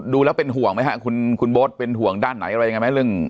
ดูแล้วเป็นห่วงไหมฮะคุณโบ๊ทเป็นห่วงด้านไหนอะไรยังไงไหมเรื่อง